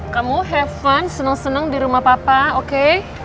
kamu have fun seneng seneng di rumah papa oke